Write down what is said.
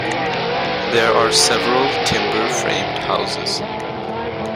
There are several timber framed houses.